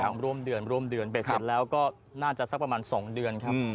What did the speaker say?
ร่วมเดือนร่วมเดือนเบ็ดเสร็จแล้วก็น่าจะสักประมาณ๒เดือนครับ